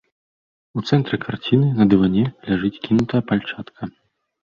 У цэнтры карціны на дыване ляжыць кінутая пальчатка.